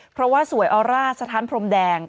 เพราะว่าสวยออร่าสถานพรมแดง